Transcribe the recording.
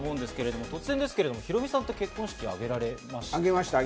突然ですが、ヒロミさんって結婚式、挙げられましたか？